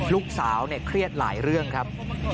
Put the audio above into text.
ลูกสาวเครียดหลายเรื่องครับ